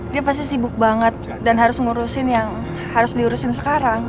dia pasti sibuk banget dan harus ngurusin yang harus diurusin sekarang